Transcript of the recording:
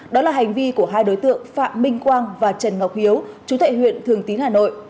đó là hành vi của hai đối tượng phạm minh quang và trần ngọc hiếu chú tại huyện thường tín hà nội